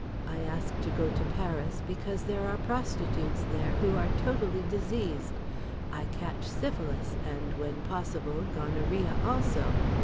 I ask to go to Paris, because there are prostitutes there who are totally diseased. I catch syphilis, and, when possible gonorrhea also.